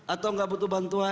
atau enggak butuh bantuan